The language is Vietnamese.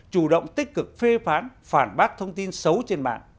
chủ động tích cực phê phán phản bác thông tin xấu trên mạng